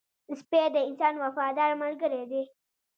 سپی د انسان وفادار ملګری دی